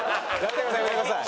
やめてください